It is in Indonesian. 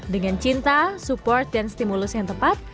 dengan cinta support dan stimulus yang tepat